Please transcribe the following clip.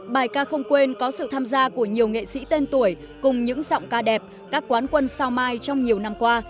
bài ca không quên có sự tham gia của nhiều nghệ sĩ tên tuổi cùng những giọng ca đẹp các quán quân sao mai trong nhiều năm qua